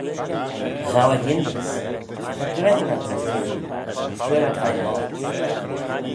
"Ghow ad yindys; cha dreggyr ad ny smoo; scuirr ad veih loayrt."